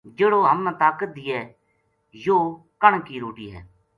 جہڑو ہمنا طاقت دیئے یوہ کنک کی روٹی ہے